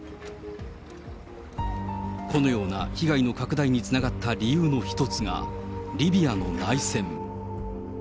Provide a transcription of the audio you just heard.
このような被害の拡大につながった理由の一つが、リビアの内戦。